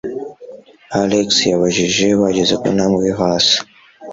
Alex yabajije bageze ku ntambwe yo hasi.